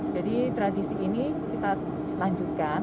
jadi tradisi ini kita lanjutkan